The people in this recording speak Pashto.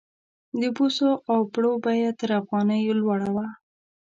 د بوسو او پړو بیه تر افغانۍ لوړه وه.